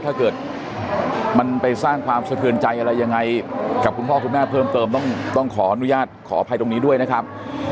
ถ้าเกิดมันไปสร้างความสะเทือนใจอะไรยังไงกับคุณพ่อคุณแม่เพิ่มเติมต้องขออนุญาตขออภัยตรงนี้ด้วยนะครับ